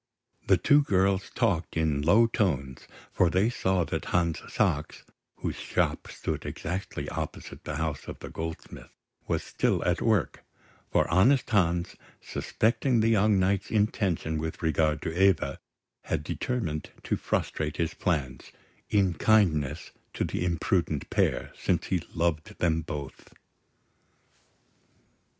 The two girls talked in low tones, for they saw that Hans Sachs (whose shop stood exactly opposite the house of the goldsmith) was still at work; for honest Hans, suspecting the young knight's intention with regard to Eva, had determined to frustrate his plans, in kindness to the imprudent pair, since he loved them both.